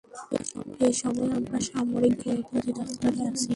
এই সময় আমরা সামরিক গোয়েন্দা অধিদপ্তরে আছি।